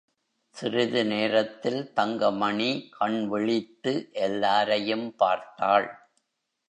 சிறிது நேரத்தில் தங்கமணி கண்விழித்து எல்லாரையும் பார்த்தாள்.